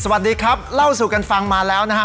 สวัสดีครับเล่าสู่กันฟังมาแล้วนะฮะ